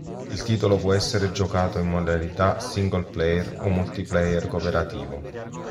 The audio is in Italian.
Il titolo può essere giocato in modalità single player o multiplayer cooperativo.